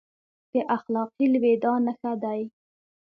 د اخلاقي لوېدا نښه دی.